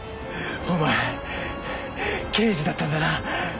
お前刑事だったんだな。